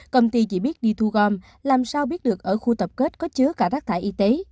công ty chỉ biết đi thu gom làm sao biết được ở khu tập kết có chứa cả rác thải y tế